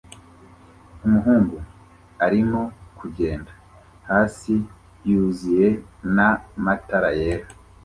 Umuhungu arimo kugenda hasi yuzuyena matara yera